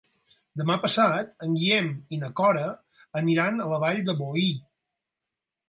Demà passat en Guillem i na Cora aniran a la Vall de Boí.